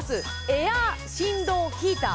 エア振動ヒーター